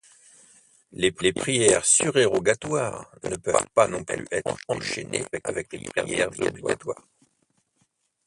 Les prières surérogatoires ne peuvent pas non plus être enchaînées avec les prières obligatoires.